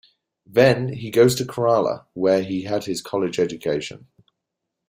Then, he goes to Kerala where he had his college education.